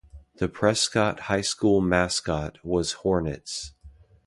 The Prescott High School mascot was Hornets.